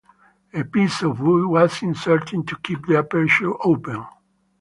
A piece of wood was inserted to keep the aperture open.